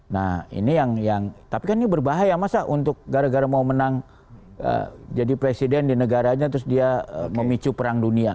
nah ini yang tapi kan ini berbahaya masa untuk gara gara mau menang jadi presiden di negaranya terus dia memicu perang dunia